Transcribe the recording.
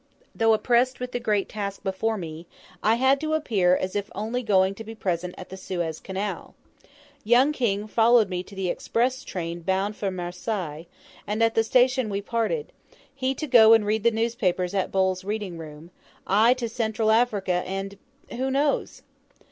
Though oppressed with the great task before me, I had to appear as if only going to be present at the Suez Canal. Young King followed me to the express train bound for Marseilles, and at the station we parted: he to go and read the newspapers at Bowles' Reading room I to Central Africa and who knows?